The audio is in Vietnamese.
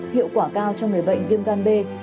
hiệu quả cao cho người bệnh viêm gan b